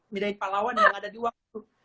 pindahin pahlawan yang ada di uang